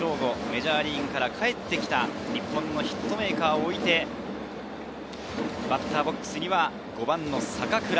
メジャーリーグから帰ってきた日本のヒットメーカーを置いて、バッターボックスには５番・坂倉。